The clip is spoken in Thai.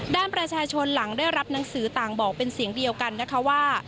ด้านประชาชนหลังได้รับหนังสือต่างบอกเป็นเสียงเดียวกันนะคะว่า